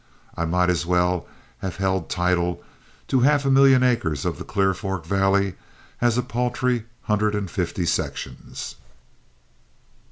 I might as well have held title to half a million acres of the Clear Fork Valley as a paltry hundred and fifty sections.